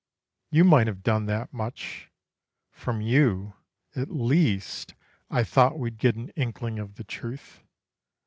You might have done that much; from you, at least, I thought we'd get an inkling of the truth.